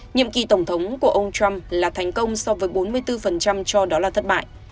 nhiệm kỳ tổng thống của ông trump là thành công so với bốn mươi bốn cho đó là thất bại